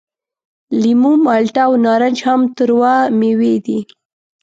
لیمو، مالټه او نارنج هم تروه میوې دي.